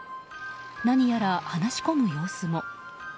何やら話し込む様子も。